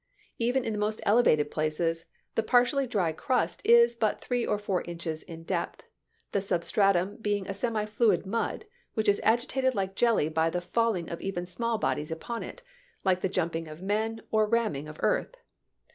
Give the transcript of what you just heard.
Even in the most elevated places the partially dry crust is but three or four inches in depth, the substratum being a semi fluid mud, which is agitated like jelly by the falling of even small bodies upon it, like the jumping of men or ramming of earth.